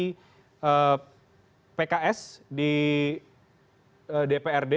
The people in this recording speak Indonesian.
sekretaris fraksi pks di dprd